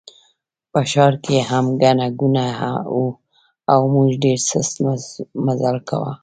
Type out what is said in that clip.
په ښار کې هم ګڼه ګوڼه وه او موږ ډېر سست مزل کاوه.